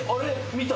見た。